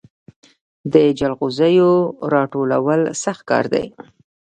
د جلغوزیو راټولول سخت کار دی